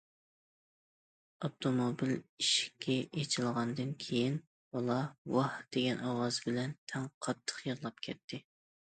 ئاپتوموبىل ئىشىكى ئېچىلغاندىن كېيىن، بالا« ۋاھ» دېگەن ئاۋاز بىلەن تەڭ قاتتىق يىغلاپ كەتتى.